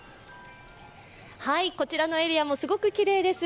こちらのエリアもすごくきれいです。